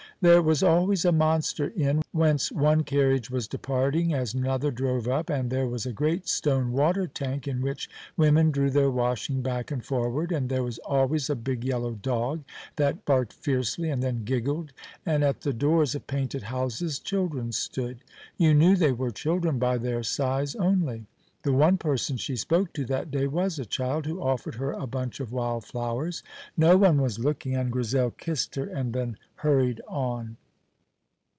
There was always a monster inn whence one carriage was departing as another drove up, and there was a great stone water tank in which women drew their washing back and forward, and there was always a big yellow dog that barked fiercely and then giggled, and at the doors of painted houses children stood. You knew they were children by their size only. The one person she spoke to that day was a child who offered her a bunch of wild flowers. No one was looking, and Grizel kissed her and then hurried on.